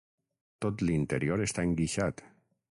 Tot l'interior està enguixat.